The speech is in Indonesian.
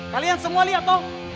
kalian semua lihat toh